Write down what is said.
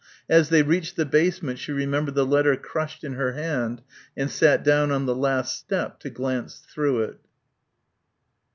As they reached the basement she remembered the letter crushed in her hand and sat down on the last step to glance through it.